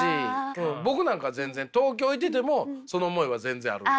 僕なんか全然東京いててもその思いは全然あるんで。